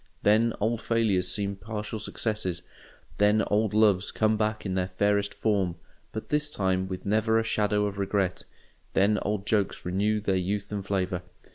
Then old failures seem partial successes, then old loves come back in their fairest form, but this time with never a shadow of regret, then old jokes renew their youth and flavour.